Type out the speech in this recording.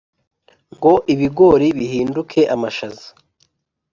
Ngo ibigori bihinduke amashaza